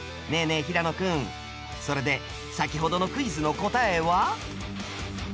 え平野君それで先ほどのクイズの答えは？